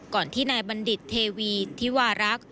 ก่อนที่นายบัณฑิตเทวีทิวารัก